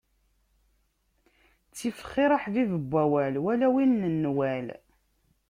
Ttif xir aḥbib n wawal wala win n nnwal!